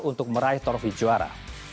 untuk meraih torfi juara